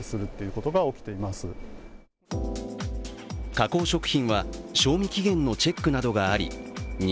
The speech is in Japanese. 加工食品は賞味期限のチェックなどがあり荷